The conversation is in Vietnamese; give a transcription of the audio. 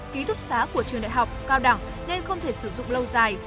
ký túc xá của trường đại học cao đẳng nên không thể sử dụng lâu dài